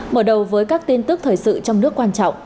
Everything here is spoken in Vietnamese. mở đầu với các tin tức thời sự trong nước quan trọng